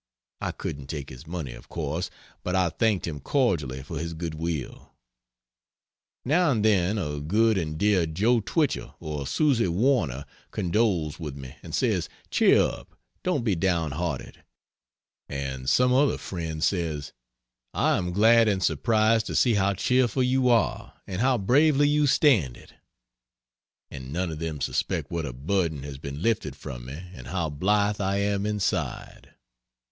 I couldn't take his money, of course, but I thanked him cordially for his good will. Now and then a good and dear Joe Twichell or Susy Warner condoles with me and says "Cheer up don't be downhearted," and some other friend says, "I am glad and surprised to see how cheerful you are and how bravely you stand it" and none of them suspect what a burden has been lifted from me and how blithe I am inside.